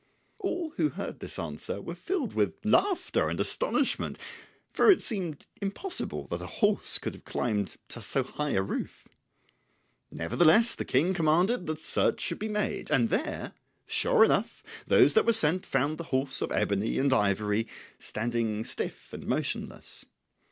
All who heard this answer were filled with laughter and astonishment, for it seemed impossible that a horse could have climbed to so high a roof. Nevertheless the King commanded that search should be made, and there, sure enough, those that were sent found the horse of ebony and ivory standing stiff and motionless.